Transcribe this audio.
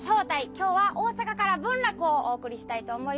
今日は大阪から文楽をお送りしたいと思います。